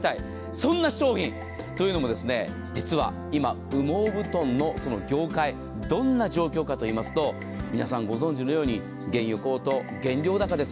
そんな商品というのも実は今、羽毛布団の業界どんな状況かといいますと皆さんご存じのように原油高騰、原料高です。